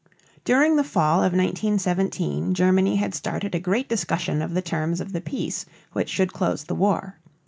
During the fall of 1917 Germany had started a great discussion of the terms of the peace which should close the war.